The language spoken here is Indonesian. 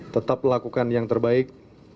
tetap melakukan yang terbaik